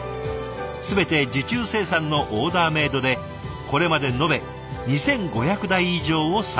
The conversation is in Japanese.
全て受注生産のオーダーメードでこれまで延べ２，５００台以上を作成。